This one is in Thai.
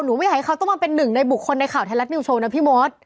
ไม่อยากให้เขาต้องมาเป็นหนึ่งในบุคคลในข่าวไทยรัฐนิวโชว์นะพี่มด